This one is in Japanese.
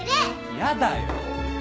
やだよ！